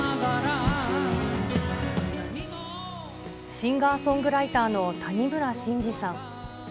シンガーソングライターの谷村新司さん。